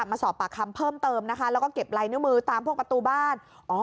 มาสอบปากคำเพิ่มเติมนะคะแล้วก็เก็บลายนิ้วมือตามพวกประตูบ้าน